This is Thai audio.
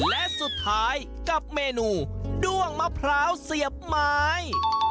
และสุดท้ายกับเมนูด้วงมะพร้าวเสียบไม้